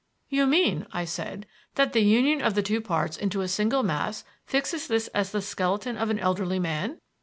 "You mean," I said, "that the union of the two parts into a single mass fixes this as the skeleton of an elderly man?"